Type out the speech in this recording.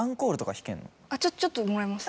ちょっともらえます？